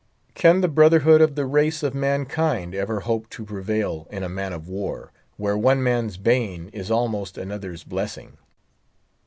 Can the brotherhood of the race of mankind ever hope to prevail in a man of war, where one man's bane is almost another's blessing?